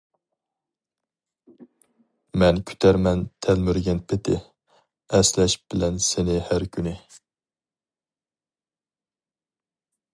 مەن كۈتەرمەن تەلمۈرگەن پىتى، ئەسلەش بىلەن سېنى ھەر كۈنى.